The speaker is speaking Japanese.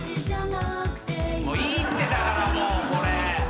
いいってだからもうこれ。